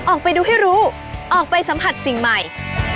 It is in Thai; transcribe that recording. ออกไปดูให้รู้ออกไปสัมผัสสิ่งใหม่